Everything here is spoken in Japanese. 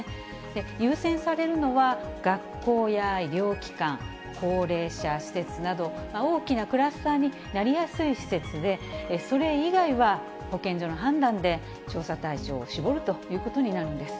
優先されるのは、学校や医療機関、高齢者施設など、大きなクラスターになりやすい施設で、それ以外は保健所の判断で、調査対象を絞るということになるんです。